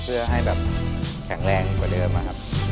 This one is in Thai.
เพื่อให้แบบแข็งแรงกว่าเดิมนะครับ